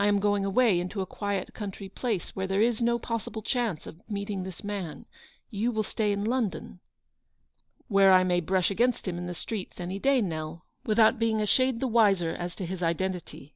I am going away into a quiet country place, where there is no possible chance of meeting this man; you will stay in London — n " Where I may brush against him in the streets any day, Nell, without being a shade the wiser as 235 to his identity.